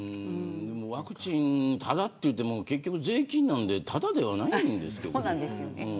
ワクチン、ただといっても結局、税金なんでただではないんですよね。